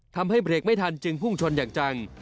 ทำให้เบรกไม่ทันจึงพุ่งชนอย่างจัง